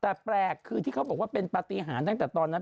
แต่แปลกคือที่เขาบอกว่าเป็นปฏิหารตั้งแต่ตอนนั้น